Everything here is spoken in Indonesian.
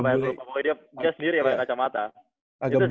pokoknya dia sendiri yang main kacamata